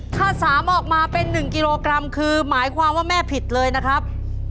ถ้า๓ออกมาเป็น๑กิโลกรัมคือหมายความว่าแม่ผิดเลยนะครับ